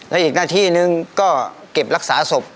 และอีกหน้าที่นึงก็เก็บรักษาศพ